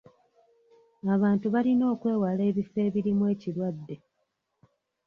Abantu balina okwewala ebifo ebirimu ekirwadde.